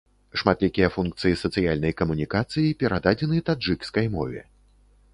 Шматлікія функцыі сацыяльнай камунікацыі перададзены таджыкскай мове.